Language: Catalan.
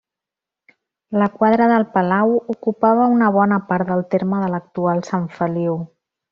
La quadra del Palau ocupava una bona part del terme de l'actual Sant Feliu.